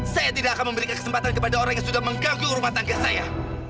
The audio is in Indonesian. saya tidak akan memberikan kesempatan kepada orang yang sudah mengganggu rumah tangga saya